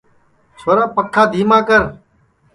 چھورا پکھا دھیما کر